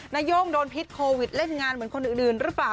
นาย่งโดนพิษโควิดเล่นงานเหมือนคนอื่นหรือเปล่า